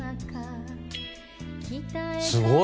すごい。